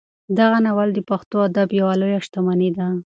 دغه ناول د پښتو ادب یوه لویه شتمني ده.